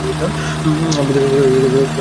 আমি ভীতি প্রদর্শনের জন্যেই নিদর্শন প্রেরণ করি।